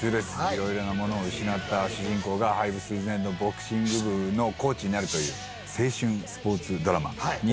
色々なものを失った主人公が廃部寸前のボクシング部のコーチになるという青春スポーツドラマになっております。